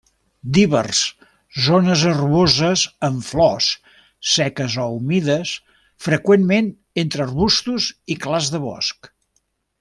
Divers: zones herboses amb flors, seques o humides, freqüentment entre arbustos i clars de bosc.